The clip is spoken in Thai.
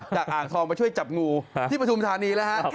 จากอ่างทองมาช่วยจับงูที่ปื้อธุมฐานีแล้วโอเค